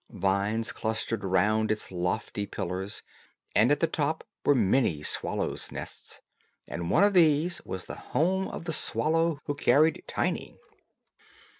Vines clustered round its lofty pillars, and at the top were many swallows' nests, and one of these was the home of the swallow who carried Tiny.